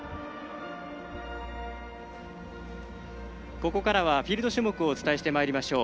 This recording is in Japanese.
ここからはフィールド種目をお伝えしていきましょう。